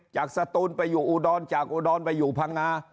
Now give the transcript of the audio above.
สตูนไปอยู่อุดรจากอุดรไปอยู่พังงา